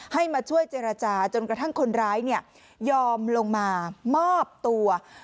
ให้มาช่วยเจรจาจนกระทั่งคนร้ายยอมลงมามอบตัว